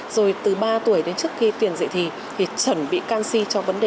rồi từ ba tuổi đến trước khi tuyển dạy thì chuẩn bị canxi cho vấn đề